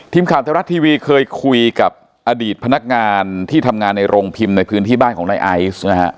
ทีมข่าวไทยรัฐทีวีเคยคุยกับอดีตพนักงานที่ทำงานในโรงพิมพ์ในพื้นที่บ้านของนายไอซ์นะฮะ